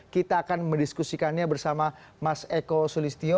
kita akan mendiskusikannya bersama mas eko sulistyo